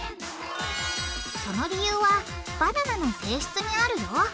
その理由はバナナの性質にあるよ。